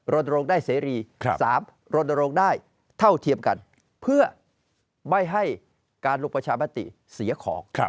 รณรงค์ได้เสรี๓รณรงค์ได้เท่าเทียมกันเพื่อไม่ให้การลงประชามติเสียของ